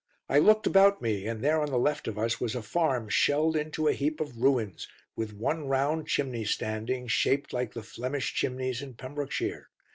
I looked about me, and there on the left of us was a farm shelled into a heap of ruins, with one round chimney standing, shaped like the 'Flemish' chimneys in Pembrokeshire.